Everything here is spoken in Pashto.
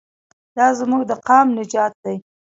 دا زموږ د قام نجات دی.